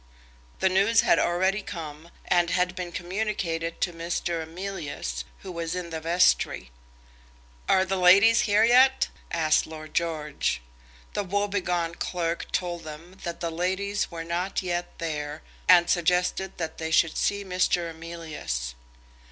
The news had already come, and had been communicated to Mr. Emilius, who was in the vestry. "Are the ladies here yet?" asked Lord George. The woebegone clerk told them that the ladies were not yet there, and suggested that they should see Mr. Emilius.